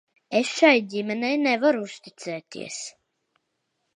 Es šai ģimenei nevaru uzticēties.